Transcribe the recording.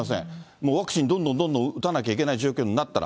もうワクチン、どんどんどんどん打たなきゃいけない状況になったら。